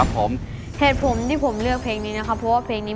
เหตุผลที่ผมเลือกเพลงนี้